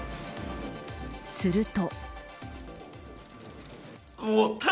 すると。